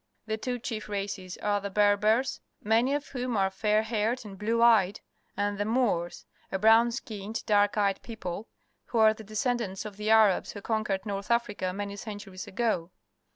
The two chief races are the Berbers, many of whom are fair haired and blue eyed, and the A loors, a brown skinned, dark eyed people, who are the descendants of the Arabs who conquered North Africa many centuries ago.